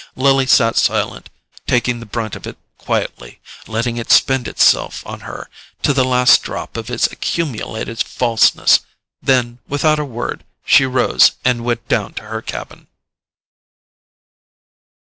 Lily sat silent, taking the brunt of it quietly, letting it spend itself on her to the last drop of its accumulated falseness; then, without a word, she rose and went down to her cabin.